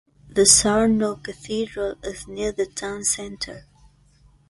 The Sarno Cathedral is near the town center.